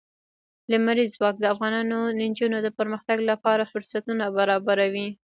لمریز ځواک د افغان نجونو د پرمختګ لپاره فرصتونه برابروي.